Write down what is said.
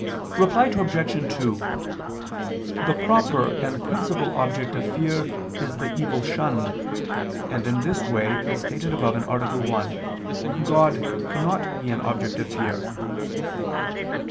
Reply Obj. 2: The proper and principal object of fear is the evil shunned, and in this way, as stated above (A. 1), God cannot be an object of fear.